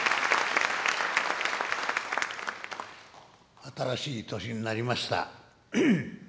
新しい年になりました。